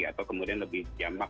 atau kemudian lebih jamak